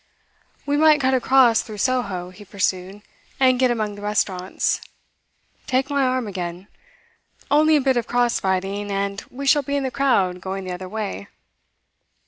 'We might cut across through Soho,' he pursued, 'and get among the restaurants. Take my arm again. Only a bit of cross fighting, and we shall be in the crowd going the other way.